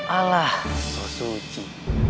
alah kau suci